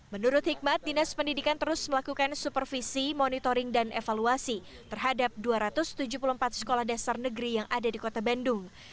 menurut hikmat dinas pendidikan terus melakukan supervisi monitoring dan evaluasi terhadap dua ratus tujuh puluh empat sekolah dasar negeri yang ada di kota bandung